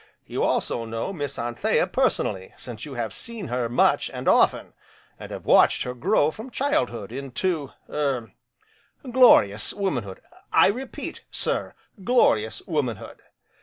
You also know Miss Anthea personally, since you have seen her much and often, and have watched her grow from childhood into er glorious womanhood, I repeat sir glorious womanhood.